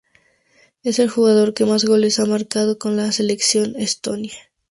Es el jugador que más goles ha marcado con la selección estonia.